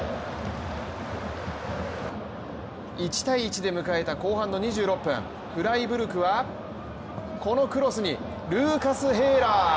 １対１で迎えた後半の２６分、フライブルクはこのクロスにルーカス・ヘイラー。